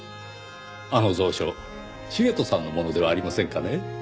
あの蔵書茂斗さんのものではありませんかね？